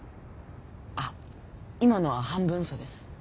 あっ今のは半分うそです。